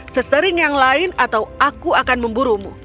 sesering yang lain atau aku akan memburumu